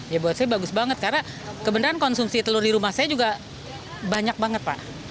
ya buat saya bagus banget karena kebenaran konsumsi telur di rumah saya juga banyak banget pak